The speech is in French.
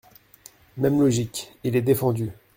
Même logique, il est défendu.